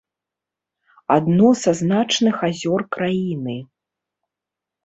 Адно са значных азёр краіны.